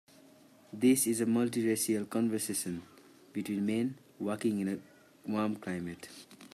This is a multiracial conversation between men walking in a warm climate.